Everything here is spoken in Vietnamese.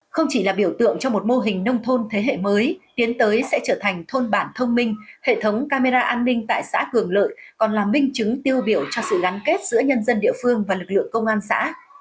không chỉ là biểu tượng cho một mô hình nông thôn thế hệ mới tiến tới sẽ trở thành thôn bản thông minh hệ thống camera an ninh tại xã cường lợi còn là minh chứng tiêu biểu cho sự gắn kết giữa nhân dân địa phương và lực lượng công an xã